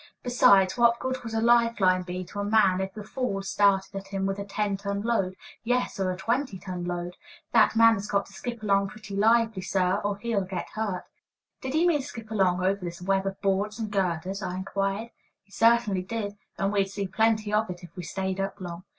Besides, what good would a life line be to a man if the "falls" started at him with a ten ton load, yes, or a twenty ton load? That man has got to skip along pretty lively, sir, or he'll get hurt. Did he mean skip along over this web of boards and girders? I inquired. He certainly did, and we'd see plenty of it, if we stayed up long.